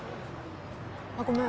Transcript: あっごめん。